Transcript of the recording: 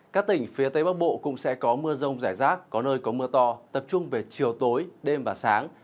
các tỉnh phía tây bắc bộ cũng sẽ có mưa rông rải rác có nơi có mưa to tập trung về chiều tối đêm và sáng